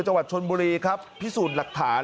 จังหวัดชนบุรีครับพิสูจน์หลักฐาน